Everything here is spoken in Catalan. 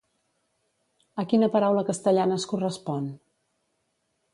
A quina paraula castellana es correspon?